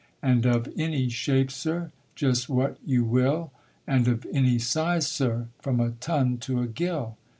And of any shape, Sir just what you will; And of any size, Sir from a ton to a gill